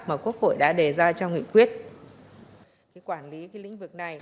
mà quốc hội đã đề ra cho nghị quyết